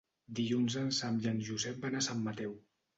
Dilluns en Sam i en Josep van a Sant Mateu.